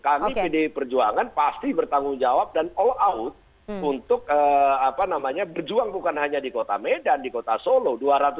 kami pdi perjuangan pasti bertanggung jawab dan all out untuk berjuang bukan hanya di kota medan di kota solo